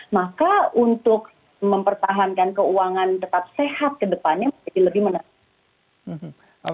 maka untuk mempertahankan keuangan tetap sehat ke depannya mungkin lebih menarik